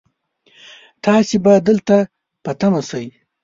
تاسو به دلته په تمه شئ